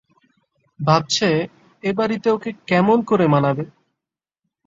ভাবছে, এ বাড়িতে ওকে কেমন করে মানাবে?